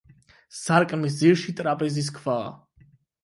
სარკმლის ძირში ტრაპეზის ქვაა.